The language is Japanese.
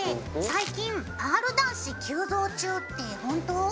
最近パール男子急増中って本当？